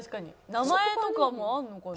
名前とかもあるのかな？